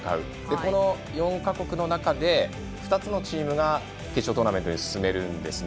この４か国の中で２つのチームが決勝トーナメントに進めるんですね。